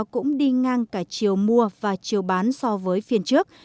cũng đi ngang cả chiều mua và chiều bán so với phiên trước